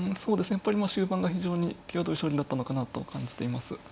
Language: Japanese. やっぱり終盤が非常に際どい将棋になったのかなと感じています。